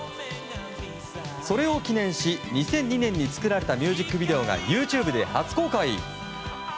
それを記念し２００２年に作られたミュージックビデオがＹｏｕＴｕｂｅで初公開。